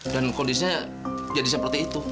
dan kondisinya jadi seperti itu